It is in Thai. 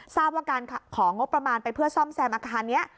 ทราบว่าการของงบประมาณไปเพื่อซ่อมแซมอาคารนี้